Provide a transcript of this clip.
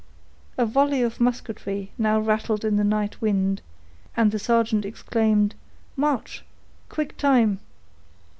A volley of musketry now rattled in the night wind, and the sergeant exclaimed,— "March!—quick time!"